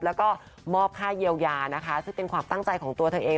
แล้วก็มอบค่าเยียวยานะคะซึ่งเป็นความตั้งใจของตัวเธอเอง